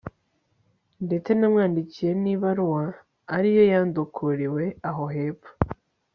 ndetse namwandikiye n'ibaruwa, ari yo yandukuriwe aho hepfo